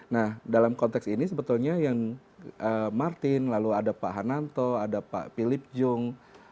nah dalam konteks ini sebetulnya yang martin lalu ada pak hananto ada pak philip jung